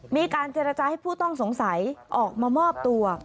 มีการเจรจาให้ผู้ต้องสงสัยออกมามอบตัว